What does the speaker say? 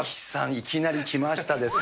いきなりきましたですね。